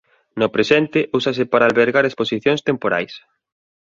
No presente úsase para albergar exposicións temporais.